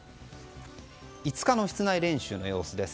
５日の室内練習の様子です。